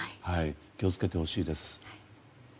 気を付けてほしいです。